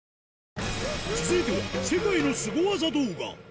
続いては、世界のすご技動画。